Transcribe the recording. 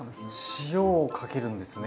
塩をかけるんですね。